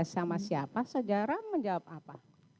kepada saudara sama siapa saudara menjawab apa